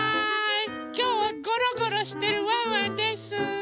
きょうはゴロゴロしてるワンワンです。